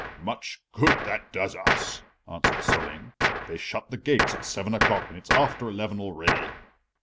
"Much good that does us," answered Solling. "They shut the gates at seven o'clock and it's after eleven already."